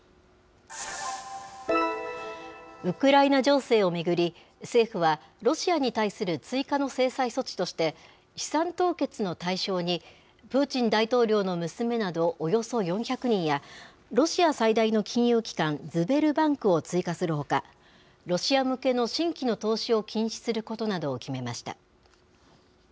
ウクライナ情勢を巡り、政府は、ロシアに対する追加の制裁措置として、資産凍結の対象に、プーチン大統領の娘などおよそ４００人や、ロシア最大の金融機関、ズベルバンクを追加するほか、ロシア向けの新規の投資を禁止することなどを決めました。